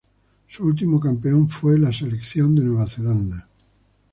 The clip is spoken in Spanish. Su último campeón fue la selección de Nueva Zelanda.